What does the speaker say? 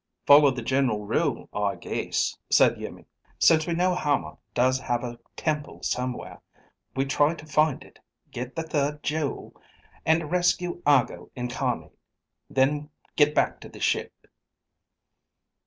"Follow the general rule, I guess," said Iimmi. "Since we know Hama does have a temple somewhere, we try to find it, get the third jewel, and rescue Argo Incarnate. Then get back to the ship."